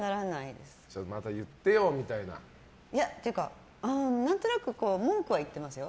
言ってよみたいな。というか何となく文句は言ってますよ。